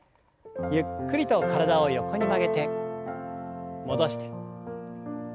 ゆっくりと体を横に曲げて戻して。